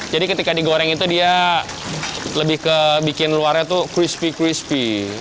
jadi ketika di goreng itu dia lebih ke bikin luarnya tuh crispy crispy